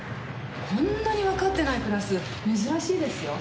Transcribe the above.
こんなに分かってないクラス、珍しいですよ。